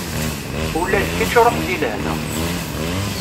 Ula d kečč ruḥ deg lehna.